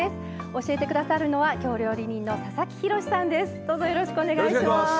教えてくださるのは京料理人の佐々木浩さんです。